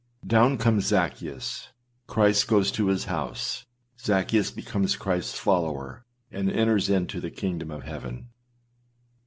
â Down comes Zaccheus; Christ goes to his house; Zaccheus becomes Christâs follower, and enters into the kingdom of heaven.